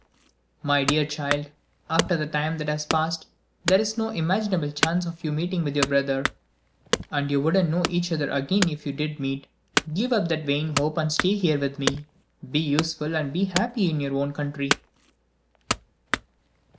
"My dear child, after the time that has passed, there is no imaginable chance of your meeting with your brother and you wouldn't know each other again if you did meet. Give up that vain hope and stay here with me. Be useful and be happy in your own country."